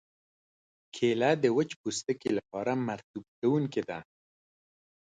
کېله د وچ پوستکي لپاره مرطوبوونکې ده.